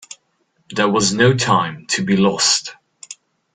There was no time to be lost.